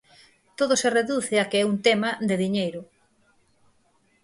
Todo se reduce a que é un tema de diñeiro.